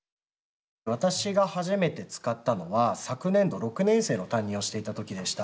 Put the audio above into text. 私が初めて使ったのは昨年度６年生の担任をしていた時でした。